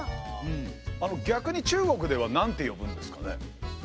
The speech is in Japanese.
逆に中国では何て呼ぶんですかね？